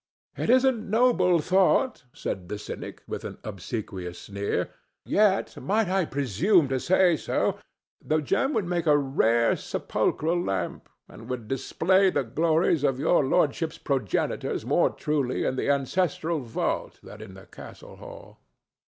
"It is a noble thought," said the cynic, with an obsequious sneer. "Yet, might I presume to say so, the gem would make a rare sepulchral lamp, and would display the glories of Your Lordship's progenitors more truly in the ancestral vault than in the castle hall."